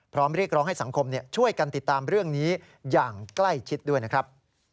เรียกร้องให้สังคมช่วยกันติดตามเรื่องนี้อย่างใกล้ชิดด้วยนะครับ